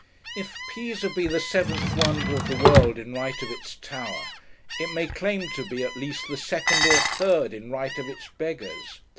If Pisa be the seventh wonder of the world in right of its Tower, it may claim to be, at least, the second or third in right of its beggars.